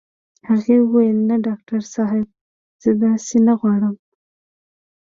هغې وويل نه ډاکټر صاحب زه داسې نه غواړم.